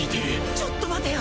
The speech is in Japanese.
ちょっと待てよ！